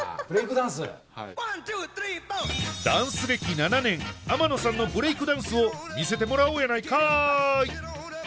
ダンスはいダンス歴７年天野さんのブレイクダンスを見せてもらおうやないかい！